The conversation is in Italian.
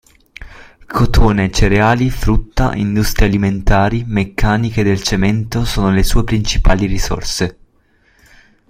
Cotone, cereali, frutta, industrie alimentari, meccaniche e del cemento sono le sue principali risorse.